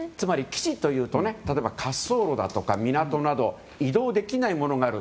基地というと滑走路だとか港など移動できないものがある。